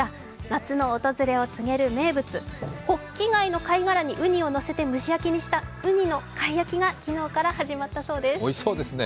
夏の訪れを告げる名物ホッキ貝の貝殻にウニをのせて蒸し焼きにしたうにの貝焼きが昨日から始まったそうです。